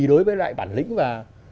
đối với loại bản lĩnh và